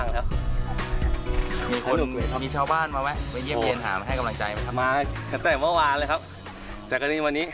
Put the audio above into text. และยิมดีซึ่ง